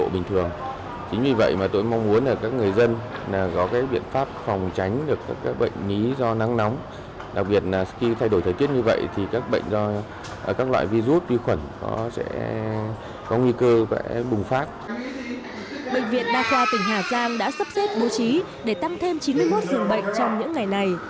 bệnh viện đa khoa tỉnh hà giang đã sắp xếp bố trí để tăng thêm chín mươi một dường bệnh trong những ngày này